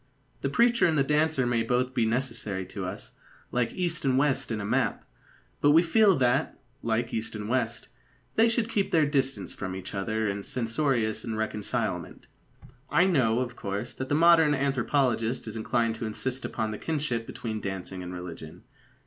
The preacher and the dancer may both be necessary to us, like east and west in a map; but we feel that, like east and west, they should keep their distance from each other in censorious irreconcilement. I know, of course, that the modern anthropologist is inclined to insist upon the kinship between dancing and religion.